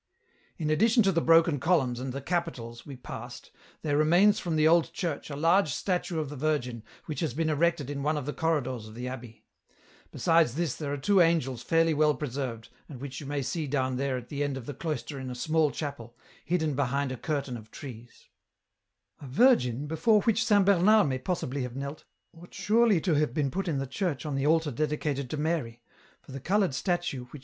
" In addition to the broken columns and the capitals we passed, there remains from the old church a large statue of the Virgin which has been erected in one of the corridors of the abbey ; besides this there are two angels fairly well preserved and which you may see down there at the end of the cloister in a small chapel, hidden behind a curtain of trees," "A virgin, before which St. Bernard may possibly have knelt, ought surely to have been put in the church on the altar dedicated to Mary, for the coloured statue, which EN ROUTE.